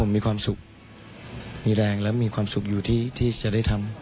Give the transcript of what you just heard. มีแรงและมีความสุขอยู่ที่จะได้ทำ